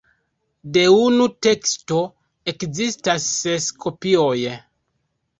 De unu teksto ekzistas ses kopioj.